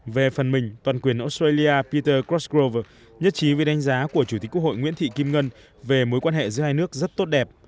về phần mình toàn quyền australia peter custrover nhất trí với đánh giá của chủ tịch quốc hội nguyễn thị kim ngân về mối quan hệ giữa hai nước rất tốt đẹp